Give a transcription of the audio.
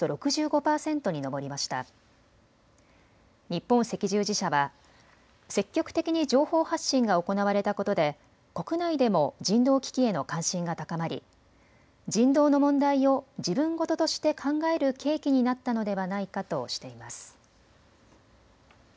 日本赤十字社は積極的に情報発信が行われたことで国内でも人道危機への関心が高まり人道の問題を自分事として考える契機になったのではないかとしています。